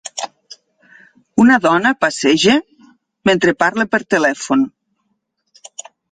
Una dona passeja mentre parla per telèfon.